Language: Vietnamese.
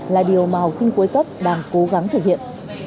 là điều mà học sinh cuối cấp đang cố gắng thực hiện